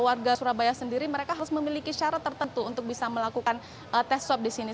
warga surabaya sendiri mereka harus memiliki syarat tertentu untuk bisa melakukan tes swab di sini